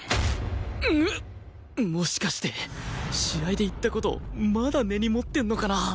もしかして試合で言った事まだ根に持ってるのかな？